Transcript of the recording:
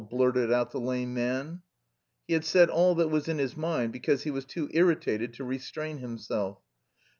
blurted out the lame man. He had said all that was in his mind because he was too irritated to restrain himself.